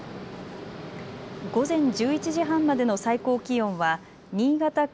午前１１時半までの最高気温は新潟県